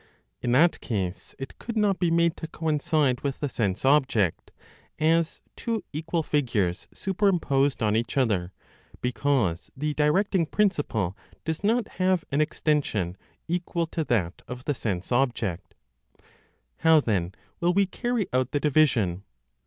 In that case it could not be made to coincide with the sense object, as two equal figures superimposed on each other, because the directing principle does not have an extension equal to that of the sense object. How then will we carry out the division?